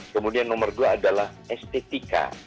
kemudian nomor dua adalah estetika